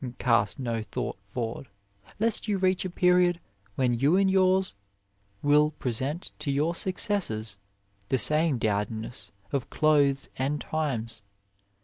And cast no thought forward, lest you 58 OF LIFE reach a period when you and yours will present to your suc cessors the same dowdiness of clothes and times.